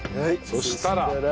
そしたら。